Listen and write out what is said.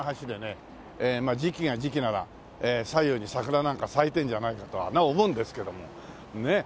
時期が時期なら左右に桜なんか咲いてるんじゃないかとはなお思うんですけどもね。